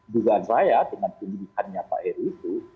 dugaan saya dengan pembidikannya pak heri itu